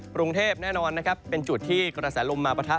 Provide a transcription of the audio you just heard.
กรุงเทพแน่นอนนะครับเป็นจุดที่กระแสลมมาปะทะ